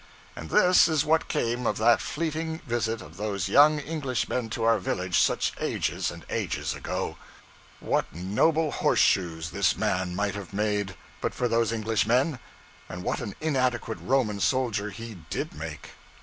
And this is what came of that fleeting visit of those young Englishmen to our village such ages and ages ago! What noble horseshoes this man might have made, but for those Englishmen; and what an inadequate Roman soldier he _did _make!